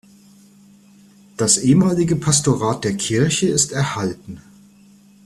Das ehemalige Pastorat der Kirche ist erhalten.